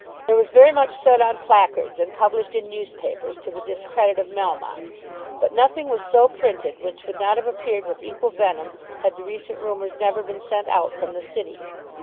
There was very much said on placards and published in newspapers to the discredit of Melmotte, but nothing was so printed which would not have appeared with equal venom had the recent rumours never been sent out from the City.